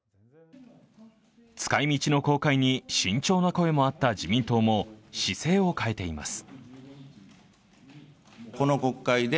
使い道の公開に慎重な声もあった自民党も姿勢を変えています。